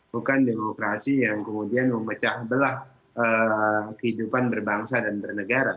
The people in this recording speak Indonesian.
bukan demokrasi yang kemudian memecah belah kehidupan berbangsa dan bernegara